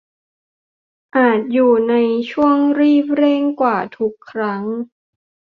อาจอยู่ในช่วงรีบเร่งกว่าทุกครั้ง